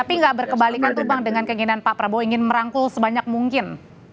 tapi nggak berkebalikan tuh bang dengan keinginan pak prabowo ingin merangkul sebanyak mungkin